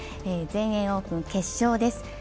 全英オープン決勝です。